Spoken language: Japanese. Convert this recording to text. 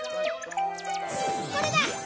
これだ！